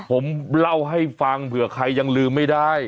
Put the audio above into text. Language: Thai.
ผมเล่าให้ฟังเผื่อใครยังลืมไม่ได้